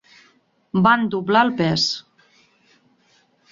Van doblar el pes.